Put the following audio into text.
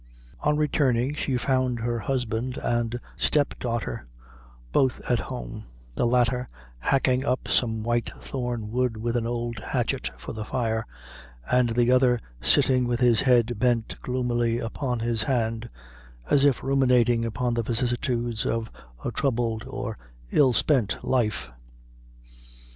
On returning, she found her husband and step daughter both at home; the latter hacking up some white thorn wood with an old hatchet, for the fire, and the other sitting with his head bent gloomily upon his hand, as if ruminating upon the vicissitudes of a troubled or ill spent life.